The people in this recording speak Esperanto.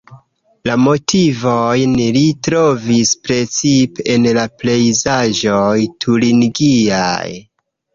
La motivojn li trovis precipe en la pejzaĝoj turingiaj.